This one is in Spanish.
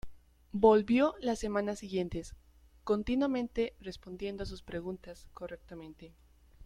Volvió las semanas siguientes, continuamente respondiendo a sus preguntas correctamente.